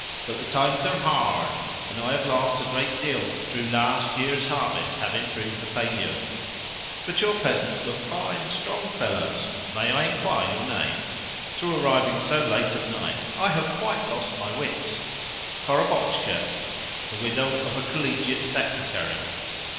But the times are hard, and I have lost a great deal through last year's harvest having proved a failure." "But your peasants look fine, strong fellows. May I enquire your name? Through arriving so late at night I have quite lost my wits." "Korobotchka, the widow of a Collegiate Secretary."